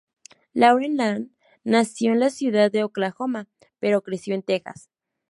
Lauren Lane nació en la ciudad de Oklahoma, pero creció en Texas.